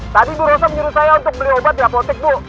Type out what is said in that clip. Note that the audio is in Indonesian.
tadi bu rosa menyuruh saya untuk beli obat di apotek tuh